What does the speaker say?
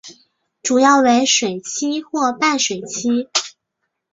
主要为水栖或半水栖。